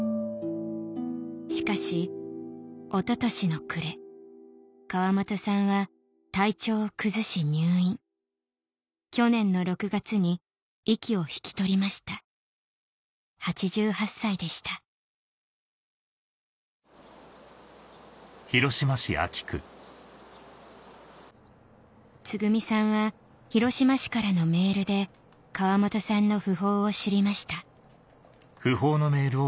しかしおととしの暮れ川本さんは体調を崩し入院去年の６月に息を引き取りました８８歳でしたつぐみさんは広島市からのメールで川本さんの訃報を知りました